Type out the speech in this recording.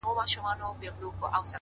د اجل قاصد نیژدې سو کور یې وران سو،